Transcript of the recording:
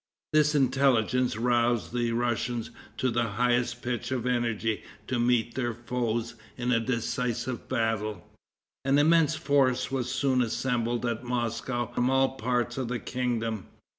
This intelligence roused the Russians to the highest pitch of energy to meet their foes in a decisive battle. An immense force was soon assembled at Moscow from all parts of the kingdom.